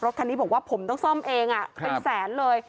รถคันนี้ผมว่าผมต้องซ่อมเองอ่ะเป็นแสนเลย